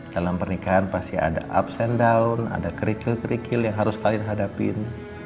dalam pernikahan pasti ada ups and down ada kerikil kerikil yang harus kalian hadapin